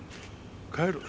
帰る。